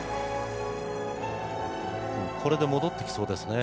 これで戻ってきそうですね。